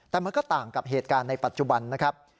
แต่มันก็ต่างกับเหตุการณ์ในปัจจุบันนะครับ